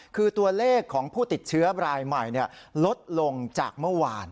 คือตัวเลขของผู้ติดเชื้อรายใหม่ลดลงจากเมื่อวาน